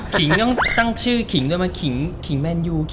ขิงต้องตั้งชื่อคือขิงแมนยู